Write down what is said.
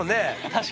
確かに。